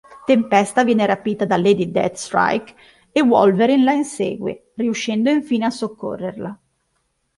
Tempesta viene rapita da Lady Deathstrike e Wolverine la insegue, riuscendo infine a soccorrerla.